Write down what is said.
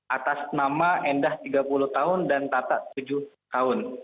atas nama endah tiga puluh tahun dan tata tujuh tahun